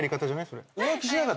それ。